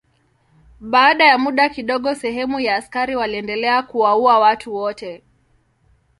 Baada ya muda kidogo sehemu ya askari waliendelea kuwaua watu wote.